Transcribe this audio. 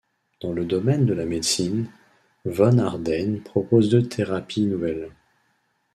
Dans le domaine de la médecine, von Ardenne propose deux thérapies nouvelles.